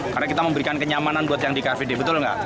karena kita memberikan kenyamanan buat yang di kvd betul nggak